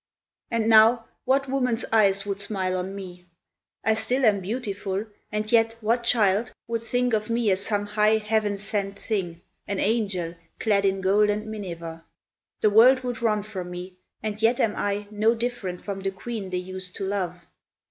And now, what woman's eyes would smile on me? I still am beautiful, and yet what child Would think of me as some high, heaven sent thing, An angel, clad in gold and miniver? The world would run from me, and yet am I No different from the queen they used to love.